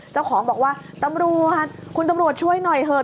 เจ้าของบอกว่าตำรวจคุณตำรวจช่วยหน่อยเถอะ